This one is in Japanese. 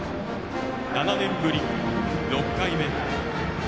７年ぶり６回目。